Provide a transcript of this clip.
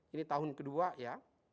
ini tahun ke dua ya